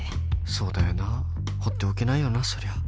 そうだよな放っておけないよなそりゃ